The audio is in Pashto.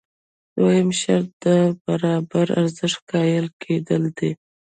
دویم شرط د برابر ارزښت قایل کېدل دي.